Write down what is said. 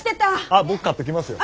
あっ僕買ってきますよ。